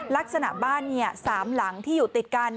ลักษณะบ้าน๓หลังที่อยู่ติดกัน